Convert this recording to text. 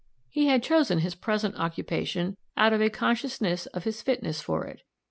He had chosen his present occupation out of a consciousness of his fitness for it.